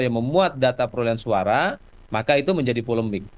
yang memuat data perolehan suara maka itu menjadi polemik